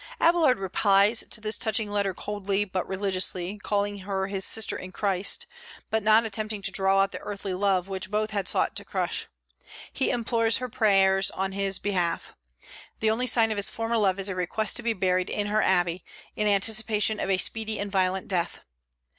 Abélard replies to this touching letter coldly, but religiously, calling her his "sister in Christ," but not attempting to draw out the earthly love which both had sought to crush. He implores her prayers in his behalf. The only sign of his former love is a request to be buried in her abbey, in anticipation of a speedy and violent death.